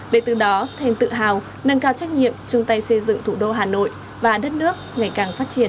để từ đó thêm tự hào nâng cao trách nhiệm chung tay xây dựng thủ đô hà nội và đất nước ngày càng phát triển